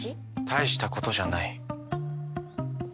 大したことじゃない。